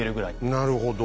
なるほど。